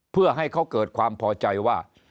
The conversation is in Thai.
เพื่อให้เขาเกิดความพอใจว่า